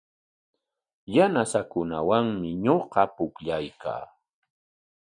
Yanasaakunawanmi ñuqa pukllaykaa.